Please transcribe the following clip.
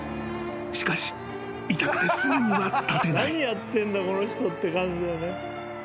［しかし痛くてすぐには立てない］